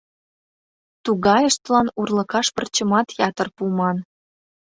Тугайыштлан урлыкаш пырчымат ятыр пуыман.